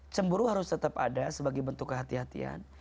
cemburu harus tetap ada sebagai bentuk kehati hatian